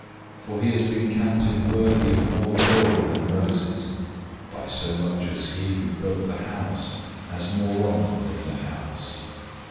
003:003 For he has been counted worthy of more glory than Moses, inasmuch as he who built the house has more honor than the house.